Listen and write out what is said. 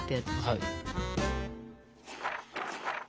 はい。